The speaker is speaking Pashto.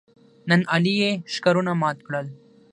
نن علي یې ښکرونه مات کړل.